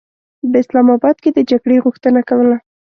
په اسلام اباد کې د جګړې غوښتنه کوله.